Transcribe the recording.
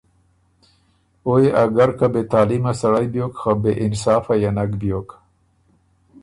او يې اګر که بې تعلیمه سړئ بیوک خه بې انصافه يې نک بیوک۔